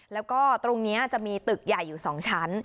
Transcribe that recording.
แล้วก็ตรงนี้จะมีตึกใหญ่อยู่๒ชั้น